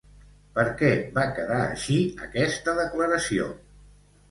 Per què va quedar així aquesta declaració?